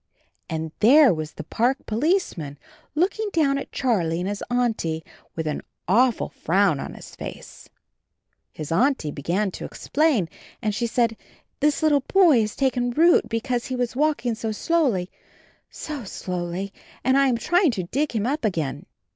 And there was the Park Policeman looking down at Charhe and his Auntie with an awful frown on his face. His Auntie began to explain and she said, "This little boy has taken root because he was walking so slowly, so slowly, and I am trying to dig him up again."